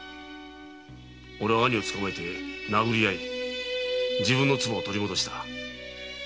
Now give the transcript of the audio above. オレは兄を捕まえて殴り合い自分の鍔を取り戻した。